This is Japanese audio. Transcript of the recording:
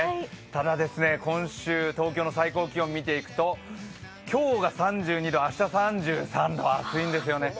ただ、今週、東京の最高気温見ていくと今日が３２度、明日３３度、暑いんですよね。